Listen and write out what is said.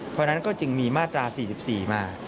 เพราะฉะนั้นก็จึงมีมาตรา๔๔มา